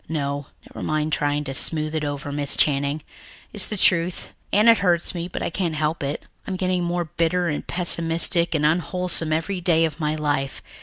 No, never mind trying to smooth it over, Miss Channing. It's the truth, and it hurts me, but I can't help it. I'm getting more bitter and pessimistic and unwholesome every day of my life.